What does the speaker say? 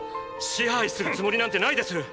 支配するつもりなんてないです！